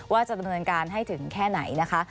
ว่าจะดำเนินการให้ถึงแค่ไหนนะคะ